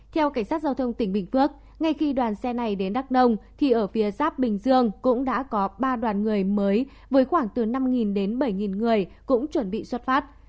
theo cảnh sát giao thông tỉnh bình phước ngay khi đoàn xe này đến đắk nông thì ở phía giáp bình dương cũng đã có ba đoàn người mới với khoảng từ năm đến bảy người cũng chuẩn bị xuất phát